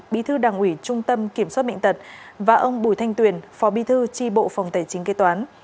bí thư đảng ủy trung tâm kiểm soát bệnh tật và ông bùi thanh tuyền phó bi thư tri bộ phòng tài chính kế toán